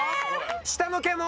下の毛も？